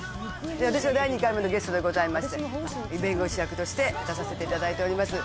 私は第２回目のゲストでございまして弁護士役として出させていただいております